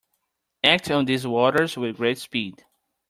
Act on these orders with great speed.